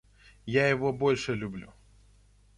Я его больше люблю.